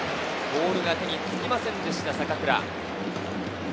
ボールが手につきませんでした坂倉。